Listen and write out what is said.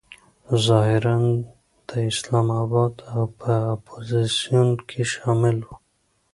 ظاهراً د اسلام آباد په اپوزیسیون کې شامل و.